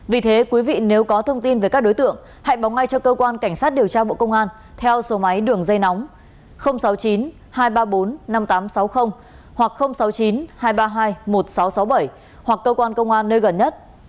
vì thế quý vị nếu có thông tin về các đối tượng hãy báo ngay cho cơ quan cảnh sát điều tra bộ công an theo số máy đường dây nóng sáu mươi chín hai trăm ba mươi bốn năm nghìn tám trăm sáu mươi hoặc sáu mươi chín hai trăm ba mươi hai một nghìn sáu trăm sáu mươi bảy hoặc cơ quan công an nơi gần nhất